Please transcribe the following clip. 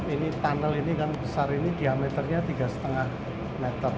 ini tunnel ini kan besar ini diameternya tiga lima meter